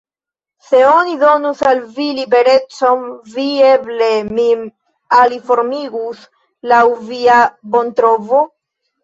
Se oni donus al vi liberecon, vi eble min aliformigus laŭ via bontrovo?